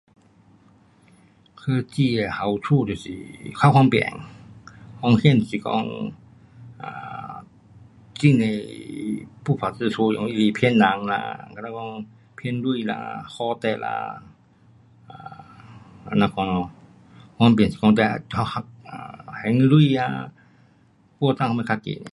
科技的好处就是较方便，风险就是讲 um 很多不法之徒很呀容易骗人啦，好像讲骗钱啦，吓你啦，这样款咯，方便是讲还钱啊，过帐你自己